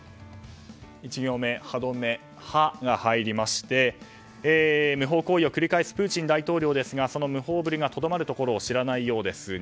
１行目、歯止め「ハ」が入りまして無法行為を繰り返すプーチン大統領ですがその無法ぶりがとどまるところを知らないようです。